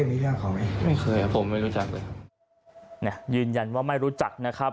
ไม่เคยผมไม่รู้จักเลยเนี่ยยืนยันว่าไม่รู้จักนะครับ